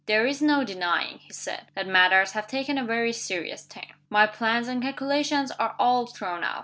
"There is no denying," he said, "that matters have taken a very serious turn. My plans and calculations are all thrown out.